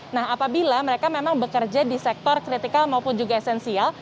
nah apabila mereka memang bekerja di sektor kritikal maupun juga esensial